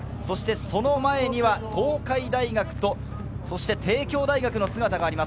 その前には東海大学と帝京大学の姿があります。